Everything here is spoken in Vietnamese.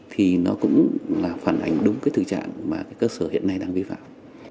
thì nó cũng là phản ánh đúng cái thực trạng mà các cơ sở hiện nay đang vi phạm